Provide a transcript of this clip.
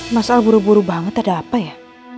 mas al buru buru banget ada apa ya